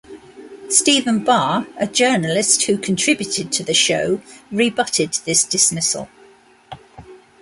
Stephen Barr, a journalist who contributed to the show, rebutted this dismissal.